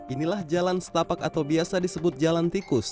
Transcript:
inilah jalan setapak atau biasa disebut jalan tikus